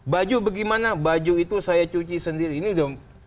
baju bagaimana baju itu saya cuci sendiri ini dong